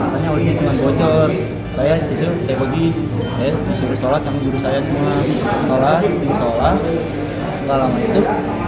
saya itu saya pergi disuruh sholat yang guru saya semua sholat sholat dalam itu